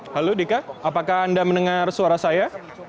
halo dika apakah anda mendengar suara saya